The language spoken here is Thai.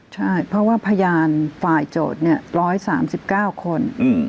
ใช่เพราะว่าพยานฝ่ายโจทย์๑๓๙คน